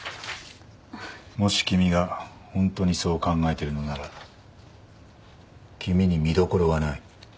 もし君がホントにそう考えているのなら君に見どころはない。